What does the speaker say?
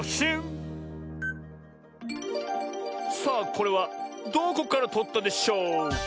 さあこれはどこからとったでしょうキャ？